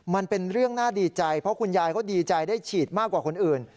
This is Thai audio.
มันเป็นเรื่องน่าดีใจเพราะคุณยายเขาดีใจได้ฉีดมากกว่าคนอื่น